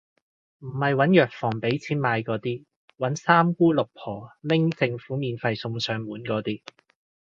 唔係搵藥房畀錢買嗰啲，搵三姑六婆拎政府免費送上門嗰啲